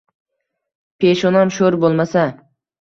Peshonam sho‘r bo‘lmasa